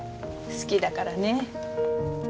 好きだからねぇ。